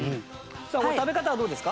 さあこれ食べ方はどうですか？